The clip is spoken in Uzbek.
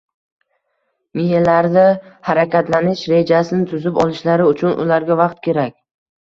miyalarida harakatlanish rejasini tuzib olishlari uchun ularga vaqt kerak.